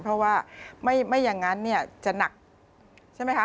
เพราะว่าไม่อย่างนั้นเนี่ยจะหนักใช่ไหมคะ